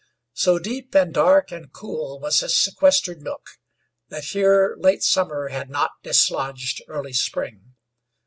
So deep and dark and cool was this sequestered nook that here late summer had not dislodged early spring.